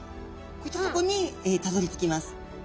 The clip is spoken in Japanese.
こういったとこにたどりつきます。